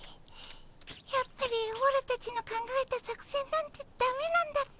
やっぱりオラたちの考えた作戦なんてだめなんだっ